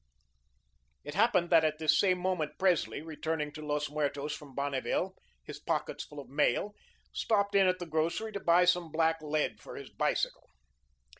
It happened that at this same moment, Presley, returning to Los Muertos from Bonneville, his pockets full of mail, stopped in at the grocery to buy some black lead for his bicycle.